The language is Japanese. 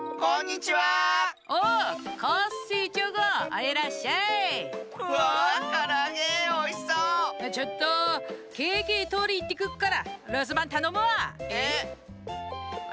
ちょっとケーキとりいってくっからるすばんたのむわ。